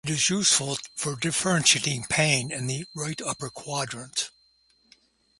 It is useful for differentiating pain in the right upper quadrant.